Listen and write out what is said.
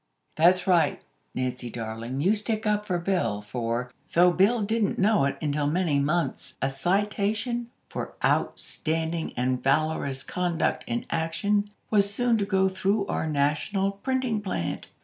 That's right, Nancy darling, you stick up for Bill; for, though Bill didn't know it until many months, a citation "for outstanding and valorous conduct in action" was soon to go through our National Printing Plant!